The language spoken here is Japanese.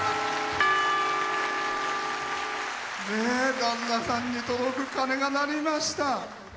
旦那さんに届く鐘が鳴りました。